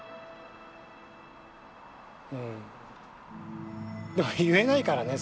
うんでも言えないからね